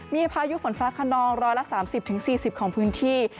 มีพายุฝนฟ้าขนอง๑๓๐๔๐ของพื้นที่